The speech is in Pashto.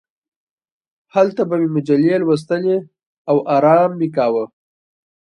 هلته به مې مجلې لوستلې او ارام مې کاوه.